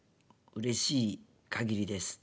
うれしいかぎりです。